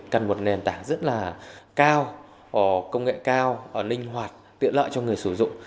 cần một nền tảng rất là cao công nghệ cao linh hoạt tiện lợi cho người sử dụng